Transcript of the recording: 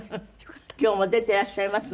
今日も出ていらっしゃいますので。